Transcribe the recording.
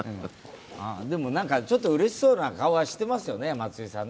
でも、ちょっと、うれしそうな顔はしてますよね、松井さん。